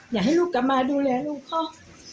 อยากให้ลูกกลับมาดูแลลูกเขา